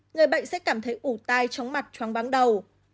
người bệnh sẽ cảm thấy ủ tai trong mặt trong báng đầu